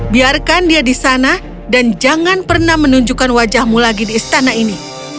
biarkan dia di sana dan jangan pernah menunjukkan wajahmu lagi di istana ini